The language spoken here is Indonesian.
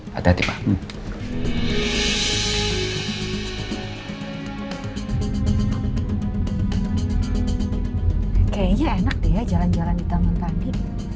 kayaknya enak deh jalan jalan di tangan tadi